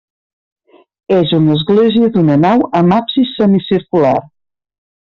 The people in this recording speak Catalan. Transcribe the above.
És una església d'una nau amb absis semicircular.